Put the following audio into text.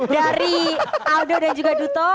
dari aldo dan juga duto